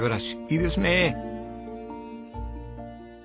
いいですねえ。